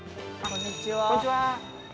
こんにちは。